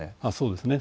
そうですね。